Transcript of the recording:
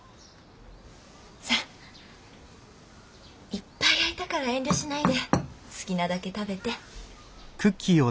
さあいっぱい焼いたから遠慮しないで好きなだけ食べて。